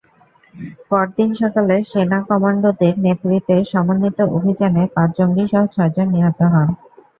পরদিন সকালে সেনা কমান্ডোদের নেতৃত্বে সমন্বিত অভিযানে পাঁচ জঙ্গিসহ ছয়জন নিহত হন।